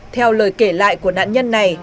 theo lời kể lại của nạn nhân này